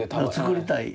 作りたい。